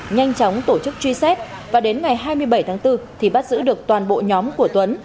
nhanh chóng tổ chức truy xét và đến ngày hai mươi bảy tháng bốn thì bắt giữ được toàn bộ nhóm của tuấn